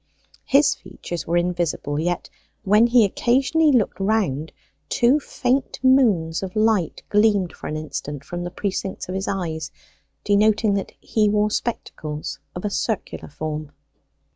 His features were invisible; yet when he occasionally looked round, two faint moons of light gleamed for an instant from the precincts of his eyes, denoting that he wore spectacles of a circular form.